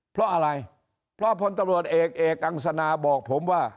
เพราะอะไรเพราะพลตำรวจเอกเอกอังสนาบอกผมว่า